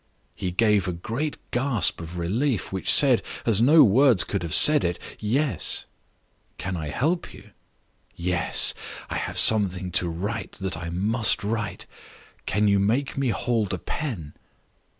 He gave a great gasp of relief, which said, as no words could have said it, Yes. 'Can I help you?' 'Yes. I have something to write that I must write; can you make me hold a pen?